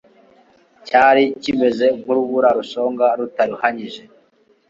cyari kimeze nk'urubura rushonga bitaruhanyije